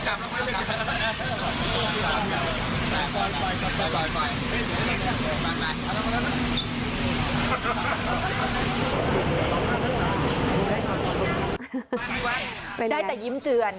พี่วันได้แต่ยิ้มเจริญ